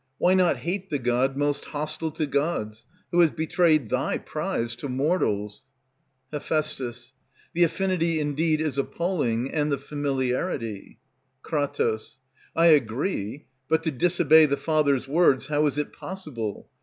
Why not hate the god most hostile to gods, Who has betrayed thy prize to mortals? Heph. The affinity indeed is appalling, and the familiarity. Kr. I agree, but to disobey the Father's words How is it possible?